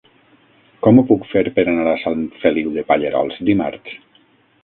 Com ho puc fer per anar a Sant Feliu de Pallerols dimarts?